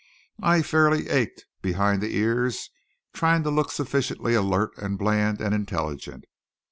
I fairly ached behind the ears trying to look sufficiently alert and bland and intelligent.